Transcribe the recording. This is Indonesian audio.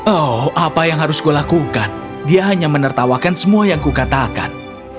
oh apa yang harus kulakukan dia hanya menertawakan semua yang kukatakan